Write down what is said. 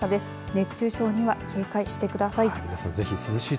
熱中症には警戒してください。